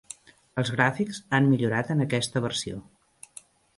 Els gràfics han millorat en aquesta versió.